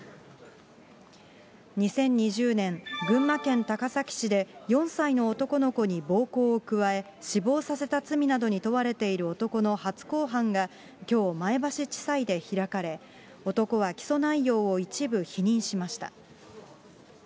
２０２０年、群馬県高崎市で、４歳の男の子に暴行を加え、死亡させた罪などに問われている男の初公判が、きょう前橋地裁で開かれ、男は起訴内容を一部否認しました。